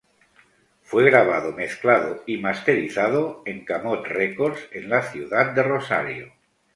Fue grabado, mezclado y masterizado en Camote Records, en la ciudad de Rosario.